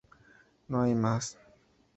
No hay más.